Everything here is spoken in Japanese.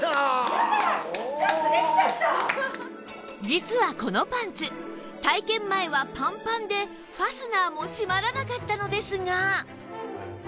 実はこのパンツ体験前はパンパンでファスナーも閉まらなかったのですが